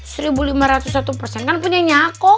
seribu lima ratus satu persen kan punya nyako